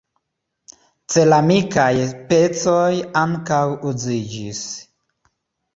Ceramikaj pecoj ankaŭ uziĝis.